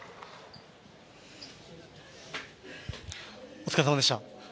お疲れさまでした。